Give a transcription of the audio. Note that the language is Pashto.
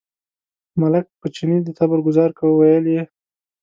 ملک په چیني د تبر ګوزار کاوه، ویل یې.